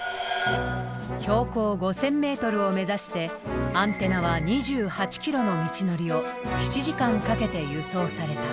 標高５，０００ｍを目指してアンテナは２８ｋｍの道のりを７時間かけて輸送された。